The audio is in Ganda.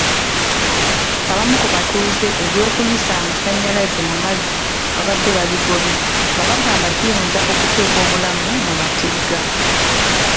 Abamu ku batuuze eby'okuyisa amasannyalaze mumazzi baabadde babigobye nga bagamba kiyinza okuteeka obulamu mu matigga.